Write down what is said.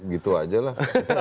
gitu saja lah